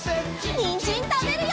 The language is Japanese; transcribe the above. にんじんたべるよ！